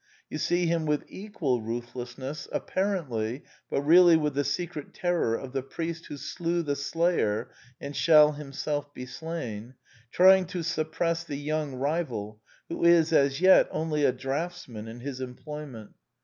You see him with equal ruthlessness apparently, but really with the secret terror of " the priest who slew the slayer and shall himself be slain," trying to suppress a young rival who is as yet only a draughtsman in his employment.